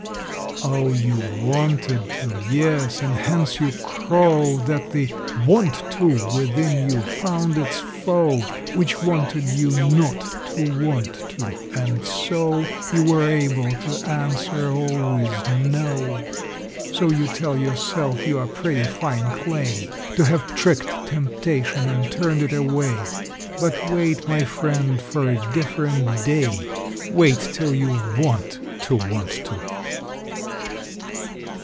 Oh, you wanted to, yes; and hence you crow That the Want To within you found its foe Which wanted you not to want to, and so You were able to answer always "No." So you tell yourself you are pretty fine clay To have tricked temptation and turned it away; But wait, my friend, for a different day! Wait till you want to want to!